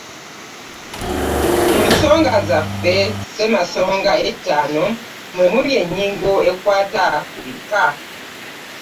Mu nsonga zaffe Ssemasonga ettaano mw'emuli ennyingo ekwata ku bika